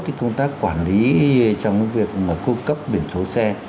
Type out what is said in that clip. thì chúng ta quản lý trong cái việc mà cung cấp biển số xe